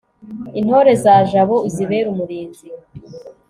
intore za jambo, uzibere umurinzi